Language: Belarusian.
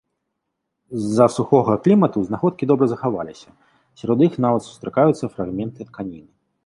З-за сухога клімату знаходкі добра захаваліся, сярод іх нават сустракаюцца фрагменты тканіны.